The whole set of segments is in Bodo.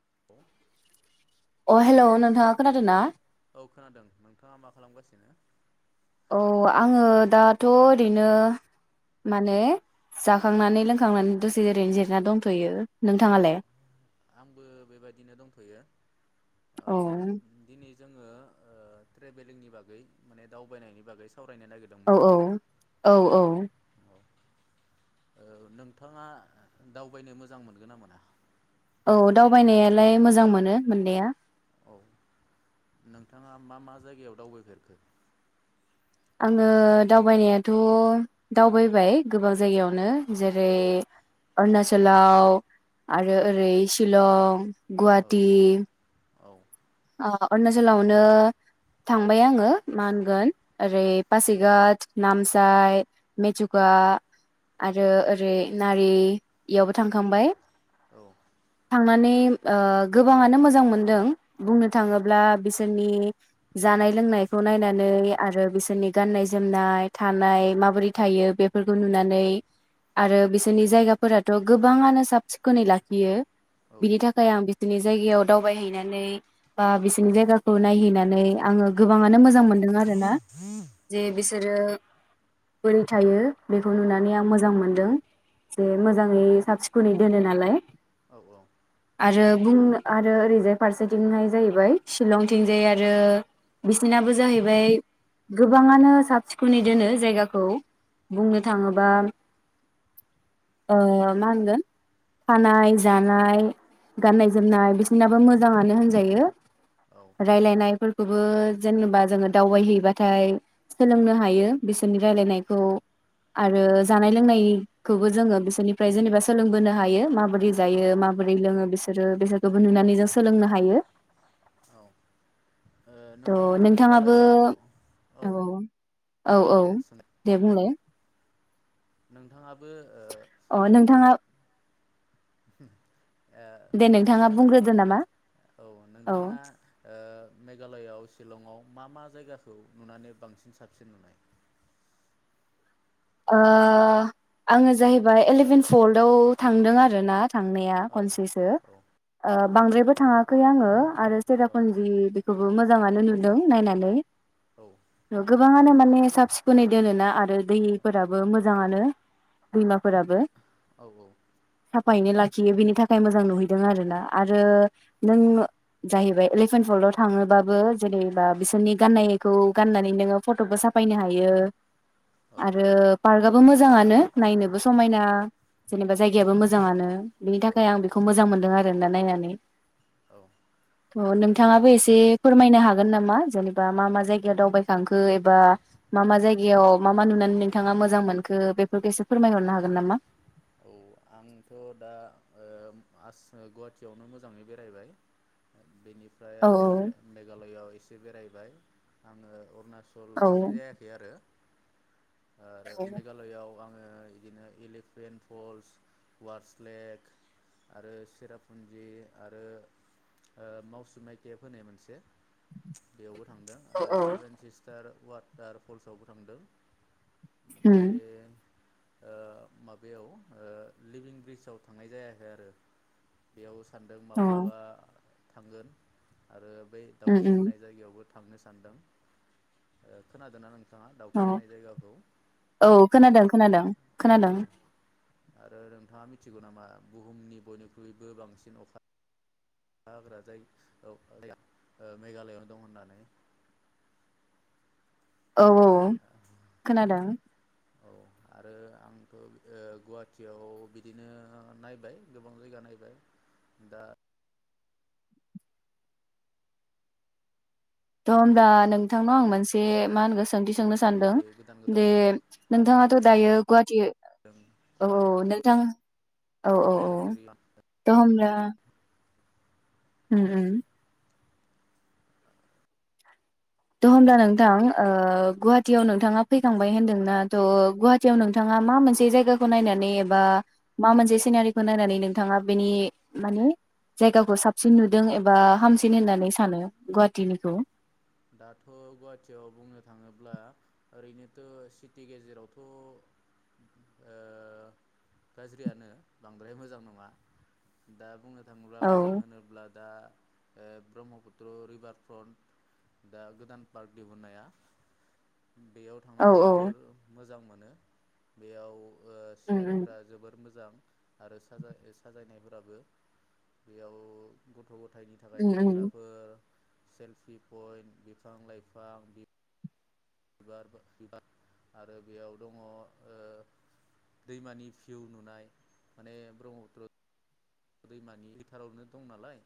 [inaudible] अ हेलौ नोंथाङा खोनादोना? औ खोनादों नोंथाङा मा खालामगासिनो? औ आङो दाथ' ओरैनो माने जाखांनानै लोंखांनानै दसे ओरैनो जिरना दंथ'यो नोंथाङालाय? आंबो बेबादिनो दंथ'यो ओ औ दिनि जोङो ओ ट्रेभेलिंनि बागै माने दावबायनायनि बागै सा सावरायनो औ नागिरदोंमोन ना औ औ औ ओ नोंथाङा दावबायनो मोजां मोनगोना मोना? औ दावबायनायालाय मोजां मोनो मोननाया। औ नोंथाङा मा मा जायगायाव दावबायफेरखो? आङो दावबायनायाथ' दावबायबाय गोबां जायगायावनो जेरै अरनाचलाव आरो ओरै शिलं औ गुवाहाटि औ ओ अरुनाचलावनो थांबाय आङो मा होनगोन ओरै पासिघाट नामसाइ मेथुका आरो ओरै नारि यावबो थांखांबाय औ थांनानै ओ गोबाङानो मोजां मोनदों बुंनो औ थाङोब्ला बिस बिसोरनि जानाय लोंनायखौ नायनानै आरो बिसोरनि गाननाय जोमनाय थानाय माबोरै थायो बेफोरखौ नुनानै आरो बिसोरनि जायगाफोराथ गोबाङानो साब सिखोनै लाखियो औ बिनि थाखाय आं बि सोरनि जायगायाव दावबायहैनानै बा बिसोरनि जायगाखौ नायहैनानै आङो गोबाङानो मोजां मोन मोनदों आरोना जे औ बिसि बिसोरो बोरै थायो बेखौ नुनानै आं मोजां मोनदों जे औ मोजाङै साबसिन खोनै दोनो नालाय औ औ बुं आरो ओैरैजाय फारसे थिंहाय जाहैबाय चिलंथिंजाय आरो बिसिनाबो जाहैबाय गोबाङानो साब सिखोनै दोनो जायगाखौ बुंनो थाङोबा ओ मा होनगोन थानाय जानाय गाननाय जोमनाय बिसोरनाबो मोजां आ नो होनजायो औ रायलायनायफोर खौबो जेनेबा जोङो दावबायहैबाथाय सोलोंनो हायो बिसोरनि रायलायनायखौ आरो जानाय लोंनायखौबो जोङो बिसोरनिफ्राय जेनेबा सोलोंबोनो हायो माबोरै जायो माबोरै लोङो बिसोरो बिसोरखौबो नुनानै जों सोलोंनो हायो औ त नोंथाङाबो औ औ औ दे सों दे बुंलाय नोंथाङाबो ओ अ नोंथाङा [unintelligible] ओ दे नोंथाङा बुंग्रोदो नामा औ नोंथाङा ओ मेघालयाव चीलंआव मा मा जायगाखौ नुनानै बांसिन साबसिन नुनाय ओ आङो जाहैबाय एलेभेन फल्थआव थांदों आरोना थांनाया औ खनसेसो औ ओ बांद्रायबो औ थाङाखै आङो आरो सेरापुन्जि बेखो बो मोजांङानो नुदों नायनानै औ गोबाङानो माने साब सिखुनै दोनोना आरो दै फोराबो मोजांङानो दैमाफोराबो औ औ साफायैनो लाखियो बेनि थाखाय मोजां नुहैदों आरो ना आरो नों जाहैबाय एलिफेन्ट फल्डाव थाङोबाबो जेनेबा बिसोरनि गाननायखौ गाननानै नोङो फटबो साफायनो हायो औ आरो पार्कआबो मोजांङानो नायनोबो समायना जेनेबा जायगायाबो मोजांङानो बिनि औ थाखाय आं बेखौ मोजां मोनदों आरो दोनना नायनानै औ अ' ओरैनो नोंथांङाबो एसे फोरमायनो हा गोन नामा जेनेबा मा मा जायगायाव दावबायखांखो एबा मा मा जायगायाव मा मा नुनानै नोंथांङा मोजां मोनखो बेफोरखो एसे फोरमायहरनो हागोन नामा? औ आंथ' दा ओ आस गुवाहाटियावनो मोजाङै बेरायबाय बेनि इनिफ्राय औ आरो मे-मेघालयआव एसे बेरायबाय आङो अरुणा सल थांनाय औ जायाखै आरो आरो मेघालयआव आं ओ इदिनो इलिभेन फल्स वार्स लेक आरो सेरापुन्जि आरो ओ मावसुमनाय गेब होनाय मोनसे बेयावबो थांदों औ आरो औ सेभेन सिस्टार वाटार फल्सआवबो थांदों। ओमफाय उम ओ माबायाव ओ लिभिं ब्रिजआव थांनाय जायाखै आरो बेयाव सानदों अ माब्लाबा थांगोन आरो बै उम दावखि उम होननाय जायगायावबो थांनो सानदों ओ खोनादोंना नों अ' औ खोनादों खोनादों खोनादों ओ नोंथांङा मिथिगौ नामा बुहुमनि बयनिख्रुइबो बांसिन अखा अखा हाग्रा जाय औ गा ओ मेघालयआव दं होननानै औ औ खोनादों औ आरो आंबो ओ गुवाहाटियाव बिदिनो नायबाय गोबां जायगा नायबाय दा थ' होमब्ला नोंथांनाव आं मोनसे मा होनगो सोंथि सोंनो सानदों जेरै गोदान दे गोदान पार्कफोरबो नोंथाङाथ' नायदों दायो गुवाहाटि औ औ कलाषेत्र नोंथां औ औ औ प्लेनेटरियाम द' होमब्ला उम उम थ' होमब्ला ओ गुवाहाटियावनो नोंथां ओ गुवा गुवाहाटियाव नोंथाङा फैखांबाय होन्दोंना त गुवाहाटियाव नोंथाङा मा मोनसे जायगाखौ नायनानै एबा मा मोनसे सिनारिखौ नायनानै नोंथाङा बेनि माने जायगाखौ साबसिन नुदों एबा हामसिन होननानै सानो गुवाहाटिनिखौ दाथ' गुवाहाटियाव बुंनो थाङोब्ला ओरैनोथ' सिटि गेजेरावथ' ओ गाज्रियानो बांद्राय मोजां नङा दा बुंनो थाङोब्ला औ मोजां होनोब्ला दा ओ ब्रह्मपुत्र रिभार फ्रन्ट दा गोदान पार्क दिहुनाया बेयाव औ थांनानै औ जोबोर मो मोजां मोनो बेयाव ओ उम उम सिनारिफोरा जोबोर मोज मोजां आरो साजाय-साजायनायफोराबो बेयाव गथ' गथायनि थाखाय उम उम गेलेग्राफोर सेेल्फि फइन्ट, बिफां लाइफां बिबार बिबार आरो बेयाव दङ ओ दैमानि भिउ नुनाय माने ब्रह्मपुत्र दैमानि फोथारावनो दं नालाय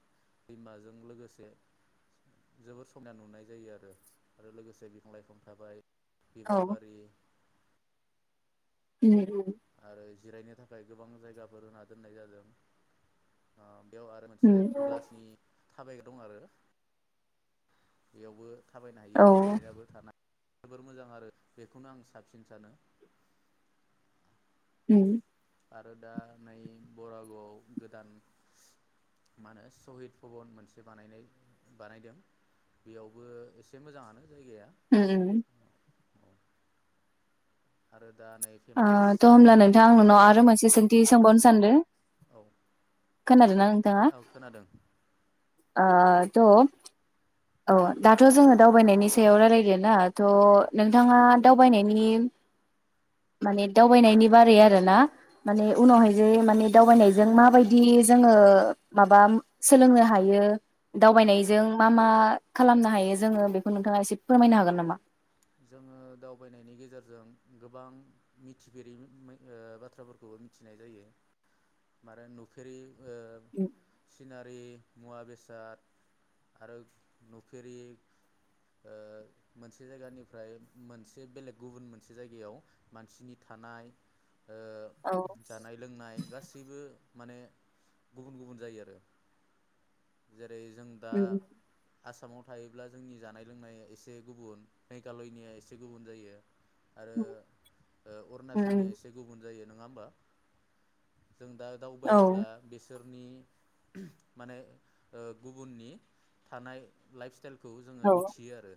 दैमाजों लोगोसे जोबोर समना नुनाय जायो आरो आरो लोगोसे बिफां लाइफां थाबाय औ बिबार बारि उम उम। आरो जिरायनो थाखाय गोबां जायगाफोर होना दोननाय जादों ओ बेयाव आरो उम मोनसे ग्लासनि थाबायग्रा दं आरो बेयावबो थाबायनो औ हायो जिरायनाबो थानो जोबोर मोजां आरो बेखौनो आं साबसिन सानो। उम। आरो दा नै बरागावआव गोदान मा होनो सहिद भबन मोनसे बानायनाय बानायदों बेयावबो एसे मोजाङानो जायगाया उम। आरो दा नै ओ फेमास थ होमब्ला नोंथां आं नोंनाव आरो रो मोनसे सोंथि सोंबावनो सानदों औ। खोनाद औ खोनादों। ओ थ' औ दाथ जोङो दावबायनायनि सायाव रायलायदो ना थ' औ नोंथाङा दावबायनायनि माने दावबायनायनि बारै आरो ना माने उनावहाय जे माने दावबायनायजों माबायदि जोङो माबा सोलोंनो हायो? दावबायनायजों मा मा खालामनो हायो जोङो बेखौ नोंथाङा एसे फोरमायनो हागोन नामा? जोङो दावबायनायनि गेजेरजों गोबां मिथिफेरि मि-ओ बाथ्राफोरखौबो मिथिनाय जायो। मारो नुफेरि ओम। रि मुवा बेसाद आरो नुफेरि ओ मोनसे जायगानि फ्राय मोनसे बेलेग गुबुन मोनसे जायगायाव मानसिनि थानाय ओ औ जानाय लोंनाय गासैबो माने गुबुन गुबुन जायो आरो जे जेरै जों दा उम आसामाव थायोब्ला जोंनि जानाय लोंनाया एसे गुबुन मेघालयनिया एसे गुबुन जायो आरो उम ओ अरुणाचलनिया उम एसे गुबुन जायो नङा होमबा? जों दा औ दावबायोब्ला बिसोर नि माने ओ गुबुननि थानाय लाइफ स्टाइल खौ जोङो औ मिथियो आरो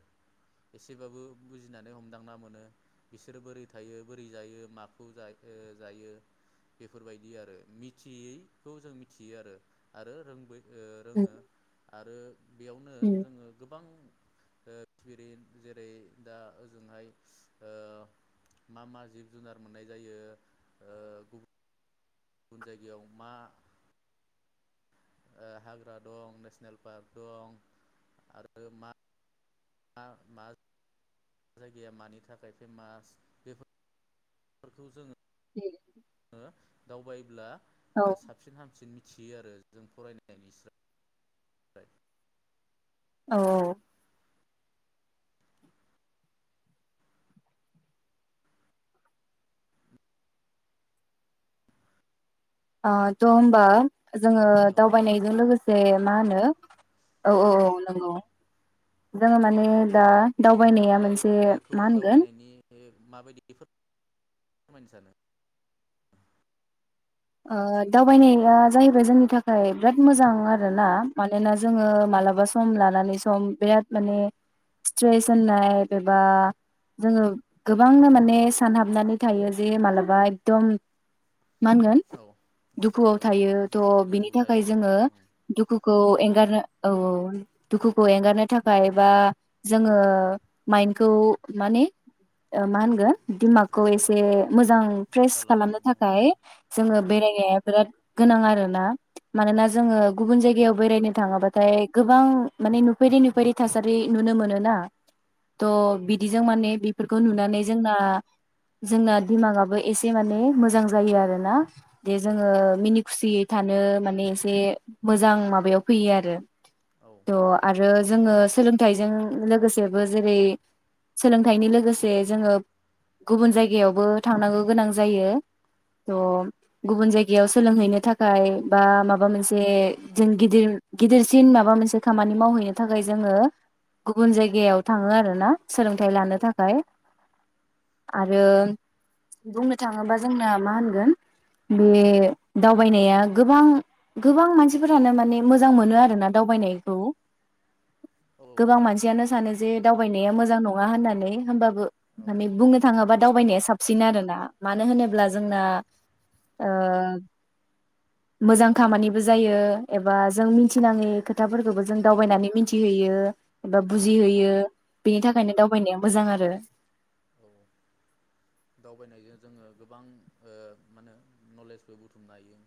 एसेबाबो बुजिनानै हमदांना मोनो बिसोरो बोरै थायो बोरै जायो माखौ जा ओ जायो बेफोरबायदि आरो मिथियैखौ जों मिथियो आरो आरो रोंबोयो। औ आरो बेयावनो जोङो गोबां ओ थिरिन जेरै दा ओजोंहाय ओ मा मा जिब जुनार मोननाय जायो ओ गुबुन गुबुन जायगायाव मा ओ हाग्रा दं नेसनेल पार्क दं आरो मा मा मा जायगाया मानि थाखाय फेमास बेफोर फोरखौ जोङो उम ङो दावबायोब्ला औ ओ साबसिन हामसिन मि थियो आरो जों फरायनायनिसाय फ्राय औ आ ज अमबा जोङो नङा होमबा दावबायनायजों लोगोसे मा होनो औ औ औ नंगौ। जोङो माने दा दावबायनाया नोंथाङालाय मोनसे बेखौ मा होनगोन दावबायनायनि माबायदि बेफोर फोरमायनो सानो ओ दावबायनाया जाहैबाय जोंनि थाखाय बिराद मोजां आरोना मानोना जोङो मालाबा सम लानानै सम बिराद माने स्ट्रेस होननाय एबा जोङो गोबांनो माने सानहाबनानै थायो जे मालाबा एकदम मा होनगोन औ दुखुआव औ थायो थ दुखु बिनि थाखाय थायो जोङो दुखुखौ एंगारनो औ औ दुखुखौ एंगारनो थाखाय बा जोङो माइन्डखौ माने मा होनगोन दिमागखौ फ्रेस एसे खालामनो मोजां फ्रेस खालामनो थाखाय आङो बेरायनाया बिराद गोनां आरो ना औ मानोना जोङो गुबुन जायगायाव बेरायनो थाङाबाथाय गोबां माने नुफेरै नुफेरि थासारि नुनो मोनोना थ औ बिदिजों नुनो मोनो माने बेफोरखौ नुनानै जोंना जोंना दिमागाबो एसे माने मोजां जायो आरो ना दे औ जोङो मिनि खुसि। थानो माने एसे मोजां माबायाव फैयो आरो। औ त आरो। जोङो सोलोंथाइजों लोगोसेबो जेरै सोलोंथाइनि लोगोसे जोङो गुबुन जायगायावबो थांनांगौ गोनां जायो। त औ गुबुन जायगा। बेयाव सोलोंहैनो थाखाय बा माबा मोनसे जों गिदिर गिदिरसिन माबा मोनसे खामानि मावहैनो थाखाय जोङो गुबुन जायगायाव थाङो आरो ना। सोलोंथाइ औ लानो थाखाय। आरो बुंनो थाङोबा जोंना मा होनो। बे दावबायनाया गोबां गोबां मानसिफोरानो माने मोजां मोनो आरोना दावबायनायखौ। औ गोबां मोजां मोनो मानसियानो सानो जे दावबायनाया मोजां नङा। नङा होननानै होमबाबो। औ माने बुंनो थाङोबा। दावबायनाया साबसिन आरो ना। मानो होनोब्ला औ जोंना। मोजां खामानिबो जायो एबा जों मिथिनाङै खोथाफोरखौबो जों दावबायनानै मिथि। हैयो एबा औ बुजिहैयो बेनि औ थाखायनो दावबायनाया मोजां आरो। औ दावबायनायजों जोङो गोबां मा होनो नलेजबो बुथुमनो हायो।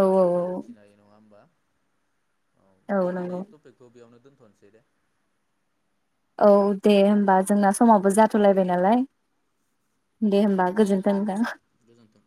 औ बाथ्रा मिथिनाय नङा होमबा। औ दिनैनि टपिकखौ बेयावनो दोन। दोनसै दे। औ दे होमबा जोंना समावबो जाथलायबाय नालाय। दे होमबा गोजोन्थों दा। गोजोन गोजोन्थों